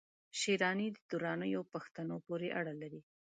شېراني د درانیو پښتنو پوري اړه لري